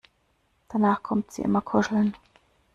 Danach kommt sie immer kuscheln.